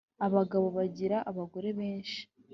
Abagabo bagira abagore benshi